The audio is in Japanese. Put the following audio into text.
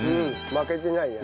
負けてないね。